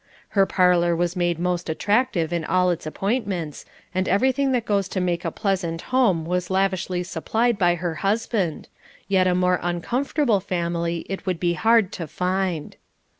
Her parlour was made most attractive in all its appointments, and everything that goes to make a pleasant home was lavishly supplied by her husband; yet a more uncomfortable family it would be hard to find.